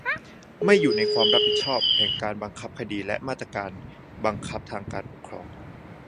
"ไม่อยู่ในความรับผิดแห่งการบังคับคดีและมาตรการบังคับทางปกครอง"